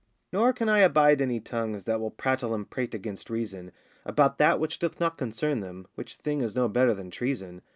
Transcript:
Nor can I abide any tongues That will prattle and prate against reason, About that which doth not concern them; Which thing is no better than treason.